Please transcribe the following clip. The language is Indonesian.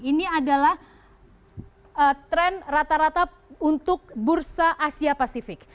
ini adalah tren rata rata untuk bursa asia pasifik